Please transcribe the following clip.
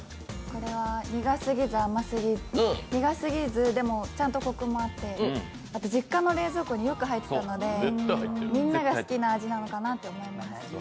これは苦すぎずでもちゃんとコクがあってあと実家の冷蔵庫によく入っていたので、みんなが好きな味なのかなって思います。